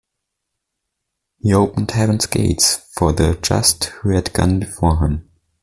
He opened Heaven's gates for the just who had gone before him.